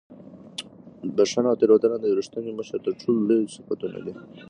بښنه او تېرېدنه د یو رښتیني مشر تر ټولو لوی صفتونه دي.